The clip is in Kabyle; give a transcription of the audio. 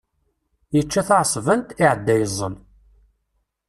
Yečča taεṣebant, iεedda yeẓẓel.